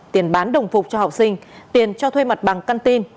tiền bán đồng phục cho học sinh tiền cho thuê mặt bằng canteen